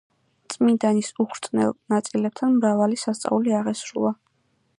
წმინდანის უხრწნელ ნაწილებთან მრავალი სასწაული აღესრულა.